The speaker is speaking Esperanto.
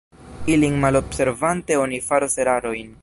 Ilin malobservante oni faros erarojn.